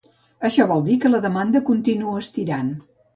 Això vol dir que la demanda continua estirant.